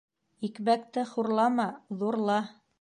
Икмәкте хурлама, ҙурла.